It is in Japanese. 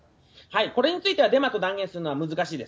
これについてはデマと断言するのは難しいです。